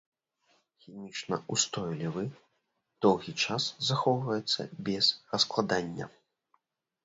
Хімічна ўстойлівы, доўгі час захоўваецца без раскладання.